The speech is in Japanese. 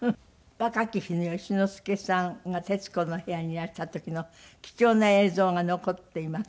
若き日の善之介さんが『徹子の部屋』にいらした時の貴重な映像が残っています。